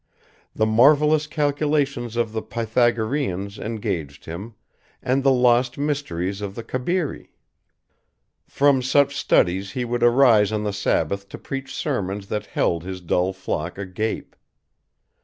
The marvelous calculations of the Pythagoreans engaged him, and the lost mysteries of the Cabiri. From such studies he would arise on the Sabbath to preach sermons that held his dull flock agape.